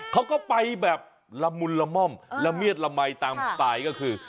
เขาก็ไปแบบละมุนละม่อมละเมียดละมัยตามสไตล์ก็คือ